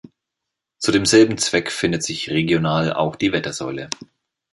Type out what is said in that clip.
Zu demselben Zweck findet sich regional auch die Wettersäule.